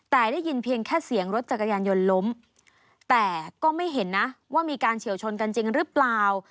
แต่ได้ยินเพียงแค่เสียงรถจักรยานยนต์ล้มแต่ก็ไม่เห็นนะว่ามีการเฉียวชนกันจริงหรือเปล่า